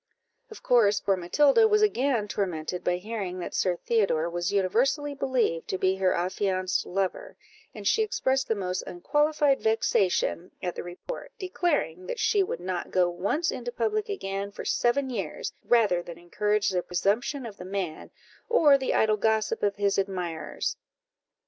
Of course, poor Matilda was again tormented by hearing that Sir Theodore was universally believed to be her affianced lover, and she expressed the most unqualified vexation at the report, declaring that she would not go once into public again for seven years, rather than encourage the presumption of the man, or the idle gossip of his admirers.